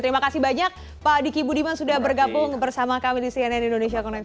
terima kasih banyak pak diki budiman sudah bergabung bersama kami di cnn indonesia connected